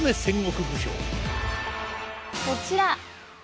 こちら。